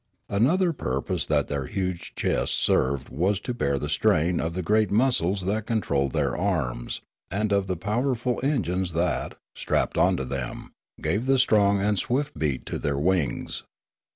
Another purpose that their huge chests served was to bear the strain of the great muscles that controlled their arms, and of the powerful engines that, strapped Sleep,. Rest, and Flight 33 on to them, gave the strong and swift beat to their wings.